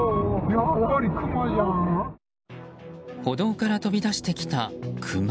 歩道から飛び出してきたクマ。